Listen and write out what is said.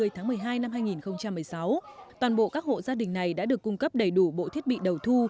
hai mươi tháng một mươi hai năm hai nghìn một mươi sáu toàn bộ các hộ gia đình này đã được cung cấp đầy đủ bộ thiết bị đầu thu